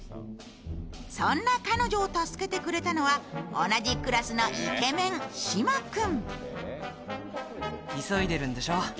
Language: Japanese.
そんな彼女を助けてくれたのは同じクラスのイケメン、志摩君。